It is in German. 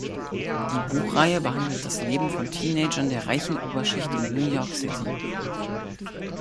Die Buchreihe behandelt das Leben von Teenagern der reichen Oberschicht in New York City.